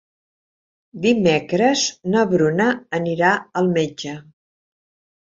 Dimecres na Bruna anirà al metge.